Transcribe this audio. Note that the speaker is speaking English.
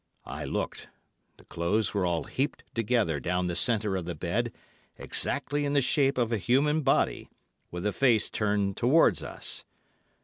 I looked. The clothes were all heaped together down the centre of the bed exactly in the shape of a human body, with the face turned towards us.